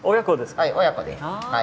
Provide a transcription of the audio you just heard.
はい親子です。はあ。